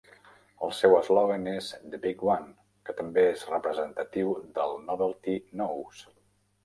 El seu eslògan és "The Big One" que també és representatiu del Novelty Nose.